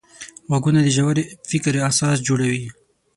غوږونه د ژور فکر اساس جوړوي